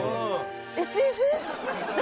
ＳＦ？